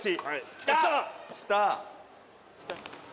「きた」